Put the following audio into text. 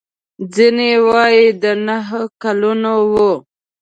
ځینې وايي د نهو کلونو و.